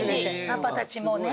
パパたちもね